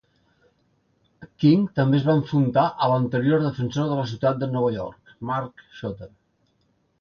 King també es va enfrontar a l'anterior defensor de la ciutat de Nova York, Mark J.